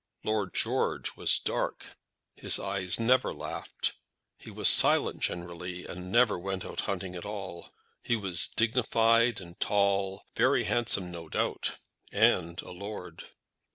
Lord George was dark, his eyes never laughed; he was silent generally, and never went out hunting at all. He was dignified, and tall, very handsome, no doubt, and a lord.